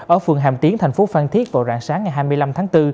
ở phường hàm tiến thành phố phan thiết vào rạng sáng ngày hai mươi năm tháng bốn